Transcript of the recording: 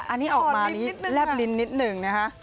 อันนี้ออกมานี้แลบลิ้นนิดหนึ่งนะคะ